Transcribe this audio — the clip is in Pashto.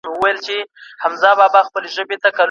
د نصیب لیدلی خوب یم، پر زندان غزل لیکمه